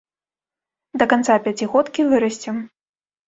Да канца пяцігодкі вырасцем.